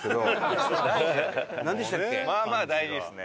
まあまあ大事ですね。